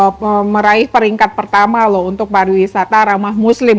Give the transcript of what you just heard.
kita meraih peringkat pertama loh untuk pariwisata ramah muslim